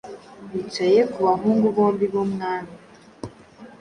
yicaye ku bahungu bombi bumwami